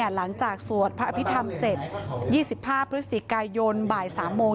หลังจากสวดพระพิธรรมเสร็จ๒๕พฤศจิกายนบ่าย๓โมง